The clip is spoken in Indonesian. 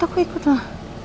aku ikut lah